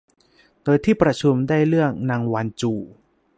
โดยที่ประชุมได้เลือกนางวานจู